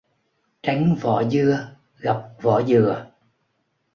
Tránh vỏ dưa gặp vỏ dừa